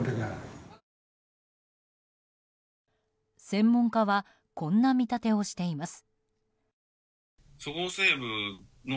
専門家はこんな見立てをしています。